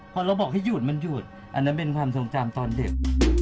พอเราบอกให้หยุดมันหยุดอันนั้นเป็นความทรงจำตอนเด็ก